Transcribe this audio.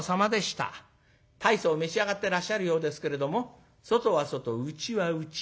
大層召し上がってらっしゃるようですけれども外は外内は内。